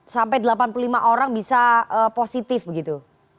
sampai delapan puluh lima orang bisa positif begitu